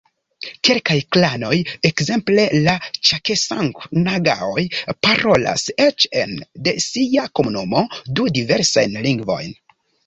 Kelkaj klanoj, ekzemple la ĉakesang-nagaoj, parolas eĉ ene de sia komunumo du diversajn lingvojn.